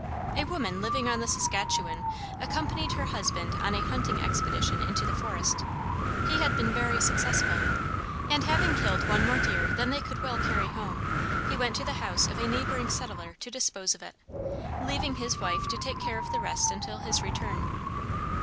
A woman living on the Saskatchewan accompanied her husband on a hunting expedition into the forest. He had been very successful, and having killed one more deer than they could well carry home, he went to the house of a neighboring settler to dispose of it, leaving his wife to take care of the rest until his return.